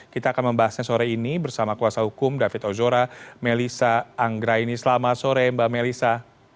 kita akan membahasnya sore ini bersama kuasa hukum david ozora melisa anggraini selamat sore mbak melisa